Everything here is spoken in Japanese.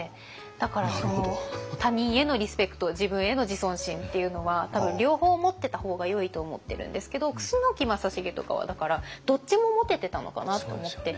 だから他人へのリスペクト自分への自尊心っていうのは多分両方持ってた方がよいと思ってるんですけど楠木正成とかはだからどっちも持ててたのかなって思って。